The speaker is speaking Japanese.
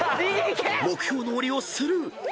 ［目標のオリをスルー］